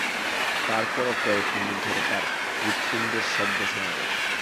তারপরও কয়েক মিনিট ধরে তার হৃৎপিণ্ডের শব্দ শোনা গেল।